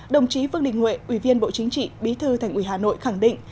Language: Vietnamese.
đồng chí vương đình huệ ủy viên bộ chính trị bí thư thành ủy hà nội khẳng định